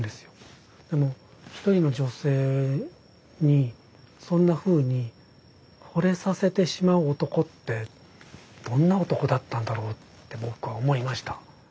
でも一人の女性にそんなふうにほれさせてしまう男ってどんな男だったんだろうって僕は思いました。